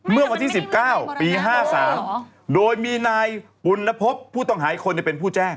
เมื่อวันที่๑๙ปี๕๓โดยมีนายปุณพบผู้ต้องหาอีกคนเป็นผู้แจ้ง